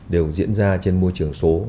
đều diễn ra trên môi trường số